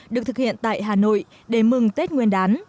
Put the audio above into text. được thực hiện tại hà nội để mừng tết nguyên đán